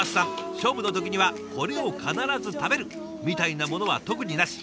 「勝負の時にはこれを必ず食べる！」みたいなものは特になし。